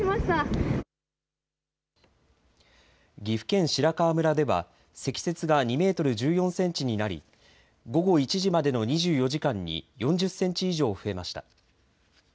岐阜県白川村では積雪が２メートル１４センチになり午後１時までの２４時間に４０センチ以上増えました。